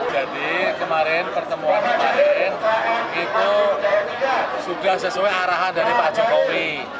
jadi kemarin pertemuan kemarin itu sudah sesuai arahan dari pak jokowi